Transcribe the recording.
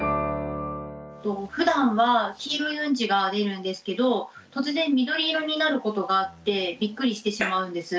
ふだんは黄色いウンチが出るんですけど突然緑色になることがあってびっくりしてしまうんです。